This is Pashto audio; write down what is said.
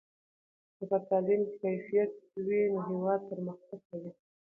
که په تعلیم کې کیفیت وي نو هېواد پرمختګ کوي.